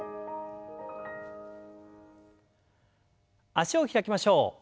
脚を開きましょう。